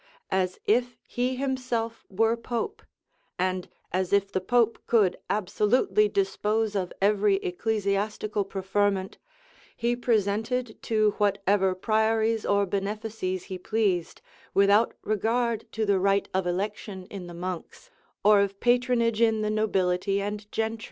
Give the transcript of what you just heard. As if he himself were pope, and as if the pope could absolutely dispose of every ecclesiastical preferment, he presented to whatever priories or benefices he pleased, without regard to the right of election in the monks, or of patronage in the nobility and gentry.